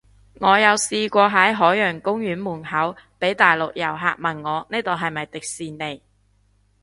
我有試過喺海洋公園門口，被大陸遊客問我呢度係咪迪士尼